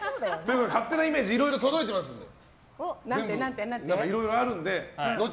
勝手なイメージいろいろ届いていますので。